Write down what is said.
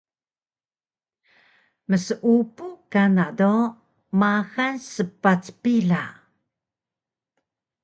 mseupu kana do maxal spac pila